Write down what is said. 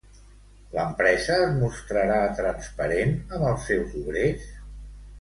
L'empresa es mostrarà transparent amb els seus obrers?